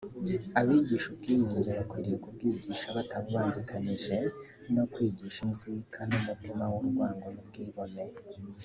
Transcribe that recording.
Abigisha ubwiyunge bakwiriye kubwigisha batabubangikanyije no kwigisha inzika n’umutima w’u rwango n’ubwibone